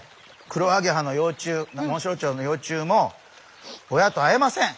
クロアゲハの幼虫モンシロチョウの幼虫も親と会えません！